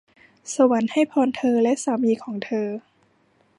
สวรรค์ให้พรเธอและสามีของเธอ !